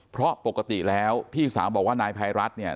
เพราะปกติแล้วพี่สาวบอกว่านายภัยรัฐเนี่ย